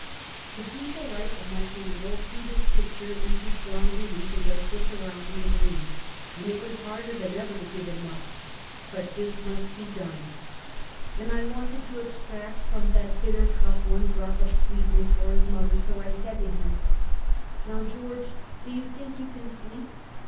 The feeble light of my candle threw this picture in to strong relief against the surrounding gloom, and it was harder than ever to give him ujd, but this must be done; and I wanted to extract from that bitter cup one drop of sweetness for his mother; so I said to him :" ]Srow, George, do you think you can sleep?"